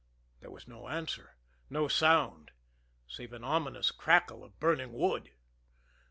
There was no answer no sound save an ominous crackle of burning wood.